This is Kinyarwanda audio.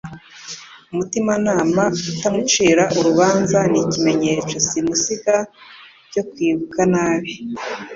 Umutimanama utamucira urubanza ni ikimenyetso simusiga cyo kwibuka nabi.